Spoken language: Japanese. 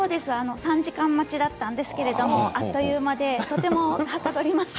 ３時間待ちだったんですけどあっという間ではかどりました。